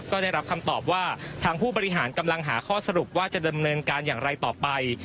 ก็ได้รับคำตอบว่าทางผู้บริหารกำลังหาข้อสรุปว่าจะดำเนินการอย่างไรต่อไป